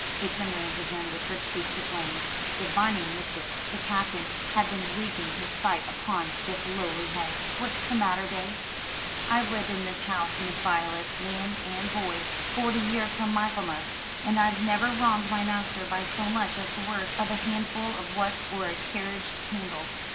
Vixen ran to him with her cheeks aflame, divining mischief. The Captain had been wreaking his spite upon this lowly head. "What's the matter, Bates?" "I've lived in this house, Miss Voylet, man and boy, forty year come Michaelmas, and I've never wronged my master by so much as the worth of a handful o' wuts or a carriage candle.